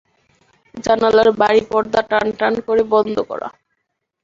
জানালার ভারি পর্দা টান টান করে বন্ধ করা।